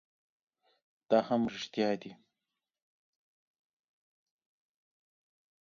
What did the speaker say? It is also truthful.